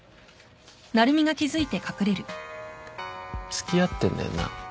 付き合ってんだよな？